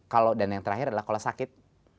kalau dan yang terakhir adalah kalau sakit